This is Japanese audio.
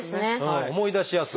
思い出しやすい。